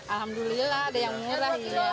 alhamdulillah ada yang murah